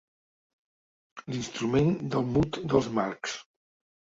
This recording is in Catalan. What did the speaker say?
L'instrument del mut dels Marx.